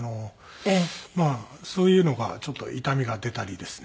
まあそういうのがちょっと痛みが出たりですね。